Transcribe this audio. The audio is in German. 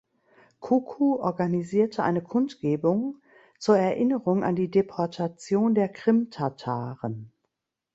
Kuku organisierte eine Kundgebung zur Erinnerung an die Deportation der Krimtataren.